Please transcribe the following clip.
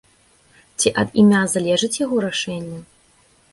Ці ад імя залежыць яго рашэнне?